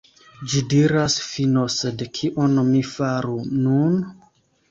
Ĝi diras "fino", sed kion mi faru nun?